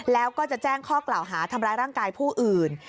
แล้วก็จะแจ้งข้อกล่าวหาทำร้ายร่างกายผู้อื่น